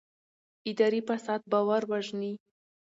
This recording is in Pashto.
اداري فساد باور وژني